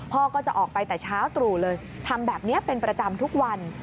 พ่อก็จะออกไปแต่เช้าตรู่เลยทำแบบนี้เป็นประจำทุกวัน